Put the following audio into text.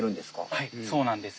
はいそうなんです。